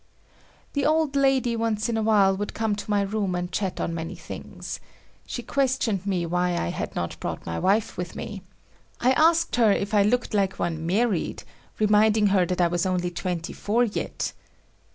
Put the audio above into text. The old lady once in a while would come to my room and chat on many things. She questioned me why I had not brought my wife with me. I asked her if I looked like one married, reminding her that I was only twenty four yet.